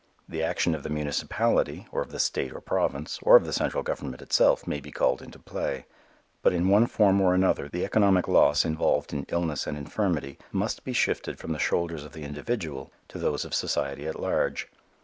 The action of the municipality, or of the state or province, or of the central government itself may be called into play. But in one form or another, the economic loss involved in illness and infirmity must be shifted from the shoulders of the individual to those of society at large.